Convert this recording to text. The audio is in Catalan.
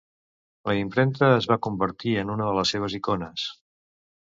La impremta es va convertir en una de les seves icones.